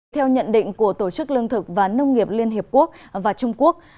theo nhận định của tổ chức lương thực và nông nghiệp liên hiệp quốc và trung quốc